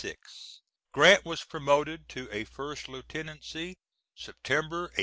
Grant was promoted to a first lieutenancy September, 1847.